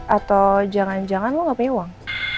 atau jangan jangan lo gak punya uang